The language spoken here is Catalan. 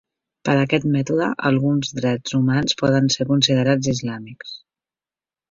Per aquest mètode, alguns drets humans poden ser considerats "islàmics".